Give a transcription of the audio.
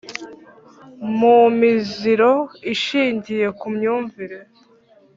mu miziro ishingiye ku myumvire